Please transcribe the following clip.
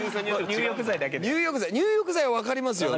入浴剤はわかりますよ。